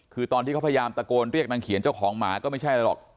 คือตอนที่เขาพยายามตะโกนเรียกนางเขียนเจ้าของหมาก็ไม่ใช่อะไรหรอก